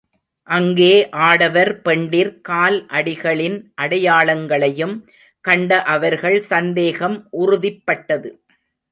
அங்கே ஆடவர் பெண்டிர் கால் அடிகளின் அடையாளங்களையும் கண்ட அவர்கள் சந்தேகம் உறுதிப் பட்டது.